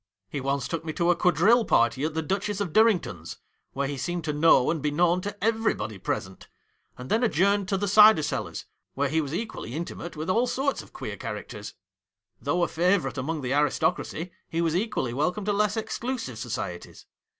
He once took me to a quadrille party at the Duchess of Durrington's, where he seemed to know and be known to everybody present, and then adjourned to the Cider Cellars, where he was equally intimate with all sorts of queer characters. Though a favourite among the aristocracy, he was equally welcome in less exclusive societies.